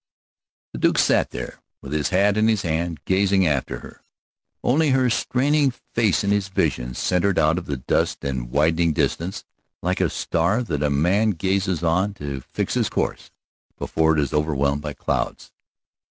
The Duke sat there with his hat in his hand, gazing after her, only her straining face in his vision, centered out of the dust and widening distance like a star that a man gazes on to fix his course before it is overwhelmed by clouds.